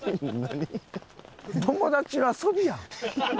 友達の遊びやん。